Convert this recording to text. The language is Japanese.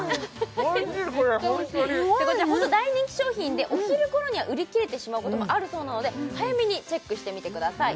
おいしいこれホントにこちらホント大人気商品でお昼頃には売り切れてしまうこともあるそうなので早めにチェックしてみてください